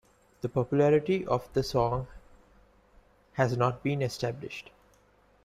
The popularity of the song has not been established.